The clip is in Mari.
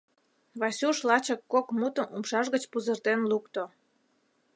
— Васюш лачак кок мутым умшаж гыч пузыртен лукто.